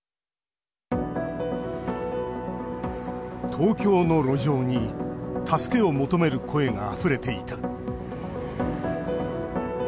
東京の路上に助けを求める声があふれていた。